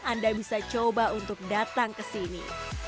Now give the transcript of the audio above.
anda bisa coba untuk datang kesini